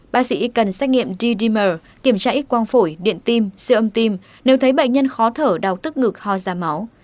bác sĩ cần xét nghiệm d dimer kiểm tra ít quang phổi điện tim siêu âm tim nếu thấy bệnh nhân khó thở đau tức ngực ho ra máu